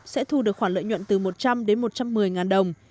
sẽ thu được khoản lợi nhuận từ một trăm linh đến một trăm một mươi đồng